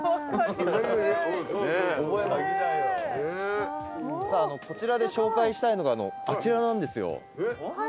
こちらで紹介したいのがあちらなんですよ。